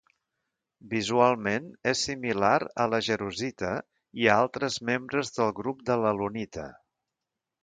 Visualment és similar a la jarosita i a altres membres del grup de l'alunita.